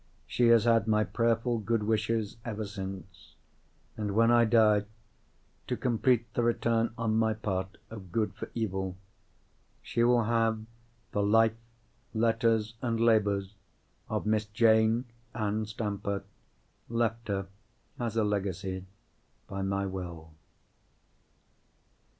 She has had my prayerful good wishes ever since. And when I die—to complete the return on my part of good for evil—she will have the Life, Letters, and Labours of Miss Jane Ann Stamper left her as a legacy by my will.